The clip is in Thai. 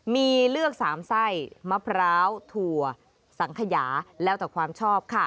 มีเลือก๓ไส้มะพร้าวถั่วสังขยาแล้วแต่ความชอบค่ะ